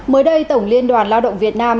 mới đây tổng liên đoàn lao động việt nam